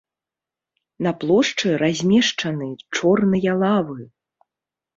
На плошчы размешчаны чорныя лавы.